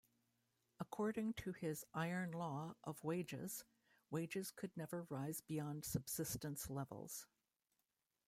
According to his Iron Law of Wages, wages could never rise beyond subsistence levels.